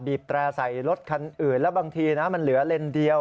แตร่ใส่รถคันอื่นแล้วบางทีนะมันเหลือเลนเดียว